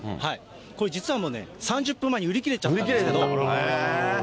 これ、実は３０分前に売り切れちゃったんですけど。